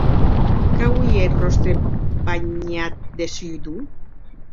Qu'auie eth ròstre banhat de shudor.